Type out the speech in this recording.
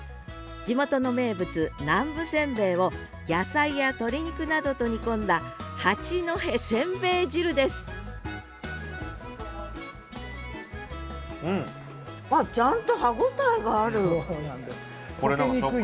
地元の名物南部せんべいを野菜や鶏肉などと煮込んだ「八戸せんべい汁」ですうん！